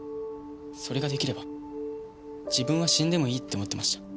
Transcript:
それができれば自分は死んでもいいって思ってました。